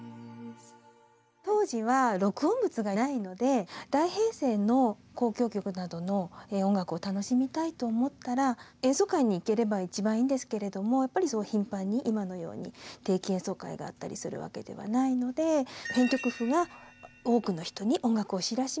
当時は録音物がないので大編成の交響曲などの音楽を楽しみたいと思ったら演奏会に行ければ一番いいんですけれどもやっぱりそう頻繁に今のように定期演奏会があったりするわけではないのでへえ。